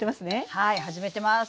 はい始めてます。